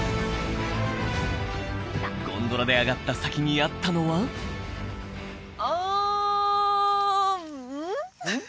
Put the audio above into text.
ゴンドラで上がった先にあったのはあうん？